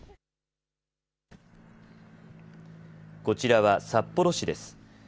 こちらは札幌市です。